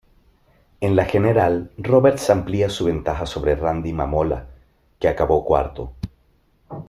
En la general, Roberts amplía su ventaja sobre Randy Mamola, que acabó cuarto.